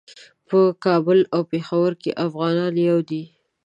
په کابل او پیښور کې افغان یو دی.